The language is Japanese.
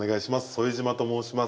副島と申します。